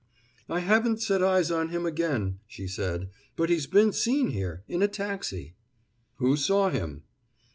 "I haven't set eyes on him again," she said. "But he's been seen here in a taxi." "Who saw him?"